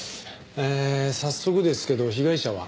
えー早速ですけど被害者は？